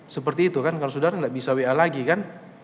seperti itu kan kalau saudara nggak bisa wa lagi kan